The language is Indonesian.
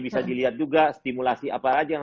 bisa dilihat juga stimulasi apa saja yang